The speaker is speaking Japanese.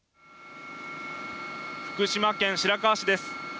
福島県白河市です。